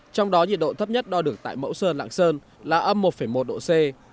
trong đó nhiệt độ thấp nhất đo được tại mẫu sơn lạng sơn là âm một một độ c